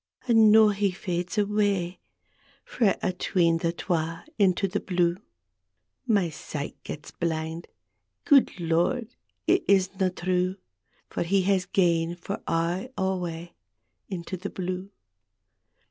And noo he fades awa' Frae 'tween the twa — into the blue. My sight gats blind ; gude Ix>rd, it isna true That he has gane for aye awa Into the blue!